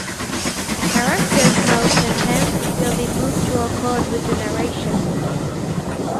A character's mouth and hands will be moved to accord with the narration.